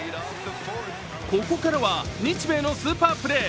ここからは日米のスーパープレー